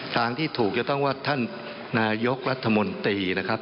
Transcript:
ทางที่ถูกจะต้องว่าท่านนายกรัฐมนตรีนะครับ